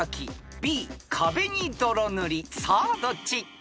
［さあどっち？］